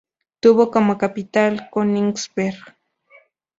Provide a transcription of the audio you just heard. Tuvo como capital Königsberg.